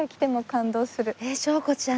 翔子ちゃん